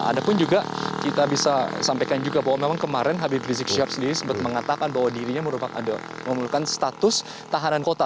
ada pun juga kita bisa sampaikan juga bahwa memang kemarin habib rizik syihab sendiri sempat mengatakan bahwa dirinya merupakan status tahanan kota